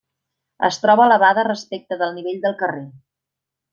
Es troba elevada respecte del nivell del carrer.